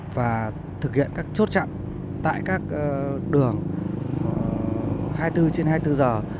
và thực hiện các chốt chặn tại các đường hai mươi bốn trên hai mươi bốn giờ